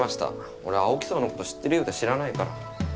俺青木荘のこと知ってるようで知らないから。